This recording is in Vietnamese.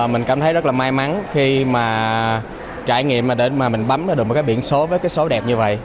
mình cảm thấy rất là may mắn khi mà trải nghiệm mà mình bấm được một cái biển số với cái số đẹp như vậy